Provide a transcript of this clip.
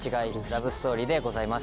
ラブストーリーでございます。